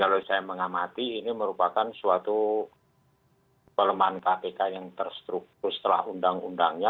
kalau saya mengamati ini merupakan suatu pelemahan kpk yang terstruktur setelah undang undangnya